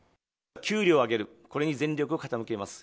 給料を上げる、これに全力を傾けます。